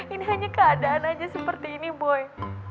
ini hanya keadaan aja seperti ini boy